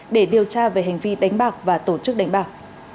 để điều tra về hành vi đánh bạc và tổ chức đánh bạc